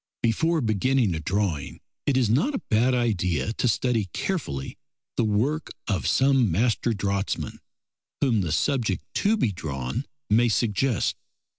Before beginning a drawing, it is not a bad idea to study carefully the work of some master draughtsman whom the subject to be drawn may suggest.